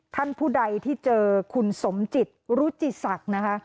ท่านผู้ใดที่เจอคุณสมจิตรุจิศักดิ์นะคะ